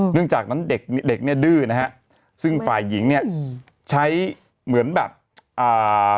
จากนั้นเด็กเด็กเนี้ยดื้อนะฮะซึ่งฝ่ายหญิงเนี้ยอืมใช้เหมือนแบบอ่า